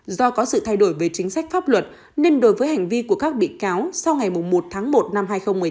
do có sự thay đổi về chính sách pháp luật nên đối với hành vi của các bị cáo sau ngày một tháng một năm hai nghìn một mươi tám